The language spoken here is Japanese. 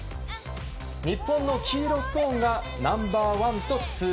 日本の黄色ストーンがナンバーワンとツー。